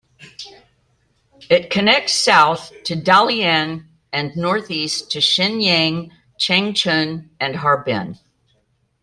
It connects south to Dalian and north east to Shenyang, Changchun and Harbin.